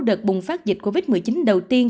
đợt bùng phát dịch covid một mươi chín đầu tiên